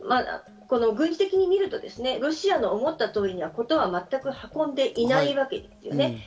軍事的に見るとロシアの思った通りにはことは全く運んでいないわけですよね。